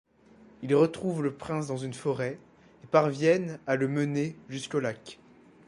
Ils retrouvent le prince dans une forêt et parviennent à le mener jusqu'au lac.